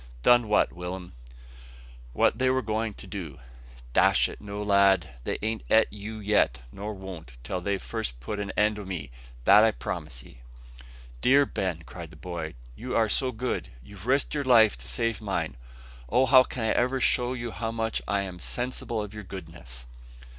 "Done what, Will'm?" "What they were going to do." "Dash it, no, lad! they an't ate you yet; nor won't, till they've first put an end o' me, that I promise ye." "Dear Ben," cried the boy, "you are so good, you've risked your life to save mine. Oh! how can I ever show you how much I am sensible of your goodness?"